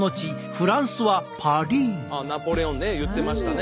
あっナポレオンね言ってましたね